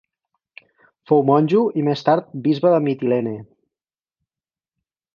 Fou monjo i més tard bisbe de Mitilene.